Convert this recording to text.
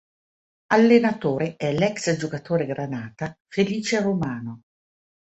Allenatore è l'ex giocatore granata Felice Romano.